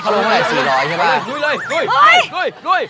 เขาต้องให้๔๐๐ใช่ไหมลุยเลย